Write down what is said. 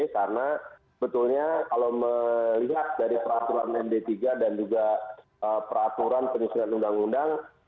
karena betulnya kalau melihat dari peraturan md tiga dan juga peraturan penyelesaian undang undang